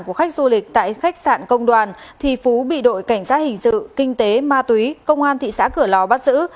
của khách du lịch tại khách sạn công đoàn thì phú bị đội cảnh sát hình sự kinh tế ma túy công an thị xã cửa lò bắt giữ